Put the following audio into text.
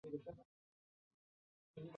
环境食物局唯一一任局长为任关佩英。